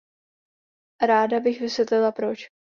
Ráda bych vysvětlila proč.